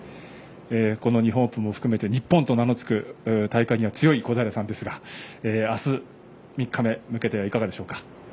この日本オープンを含めて日本という名のつく大会に強い小平さんですがあす、３日目に向けてはいかがでしょうか？